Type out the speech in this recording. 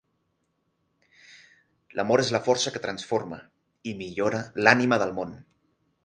L'Amor és la força que transforma i millora l'Ànima del Món.